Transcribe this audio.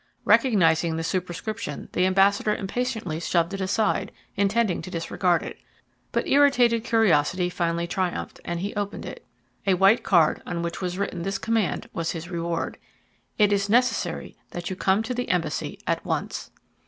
Recognizing the superscription, the ambassador impatiently shoved it aside, intending to disregard it. But irritated curiosity finally triumphed, and he opened it. A white card on which was written this command was his reward: "It is necessary that you come to the embassy at once."